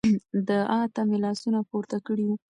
دعا ته مې لاسونه پورته کړي وو.